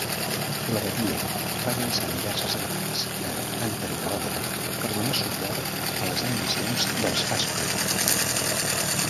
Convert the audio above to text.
L'Abadia va llançar diverses atacs a Unterwalden per donar suport a les ambicions dels Habsburg.